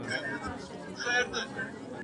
انګرېزان به حلاليږي.